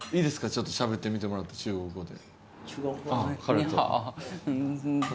ちょっとしゃべってみてもらって中国語で。